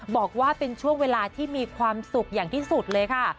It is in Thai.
บอกว่าเป็นช่วงเวลาที่มีความสุขอย่างที่สุดเลยค่ะ